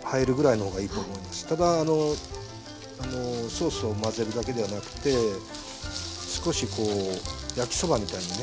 ただソースを混ぜるだけではなくて少しこう焼きそばみたいにね。